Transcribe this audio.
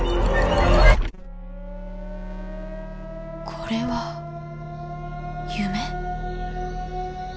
これは夢？